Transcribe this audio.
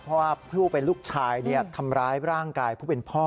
เพราะว่าผู้เป็นลูกชายทำร้ายร่างกายผู้เป็นพ่อ